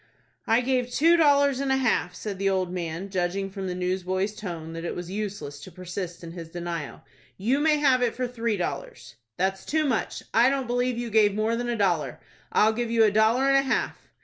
"I gave two dollars and a half," said the old man, judging from the newsboy's tone that it was useless to persist in his denial. "You may have it for three dollars." "That's too much. I don't believe you gave more than a dollar. I'll give you a dollar and a half."